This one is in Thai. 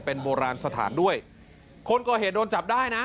เป็นโบราณสถานด้วยคนก่อเหตุโดนจับได้นะ